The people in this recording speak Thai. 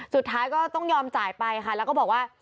สุดท้ายก็ต้องยอมจ่ายไปค่ะแล้วก็บอกว่า